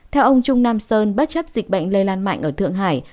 theo ông trung nam sơn bất chấp dịch bệnh lây lan mạnh ở thượng hải